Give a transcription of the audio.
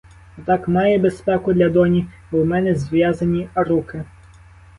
Отак має безпеку для доні, бо у мене зв'язані руки.